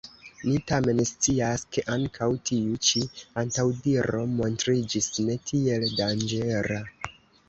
Ni tamen scias, ke ankaŭ tiu ĉi antaŭdiro montriĝis ne tiel danĝera.